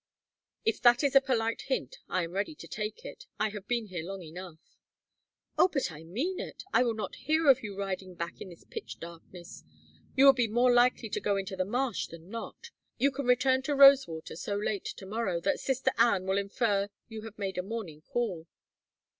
"If that is a polite hint, I am ready to take it. I have been here long enough." "Oh, but I mean it. I will not hear of you riding back in this pitch darkness. You would be more likely to go into the marsh than not. You can return to Rosewater so late to morrow that Sister Ann will infer you have made a morning call."